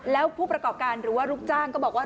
แล้วผู้ประกอบการหรือว่าลูกจ้างก็บอกว่า